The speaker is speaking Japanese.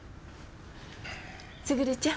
卓ちゃん